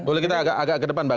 boleh kita agak ke depan mbak